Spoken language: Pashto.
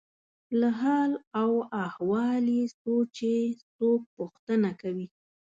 له حال او احوال یې څو چې څوک پوښتنه کوي.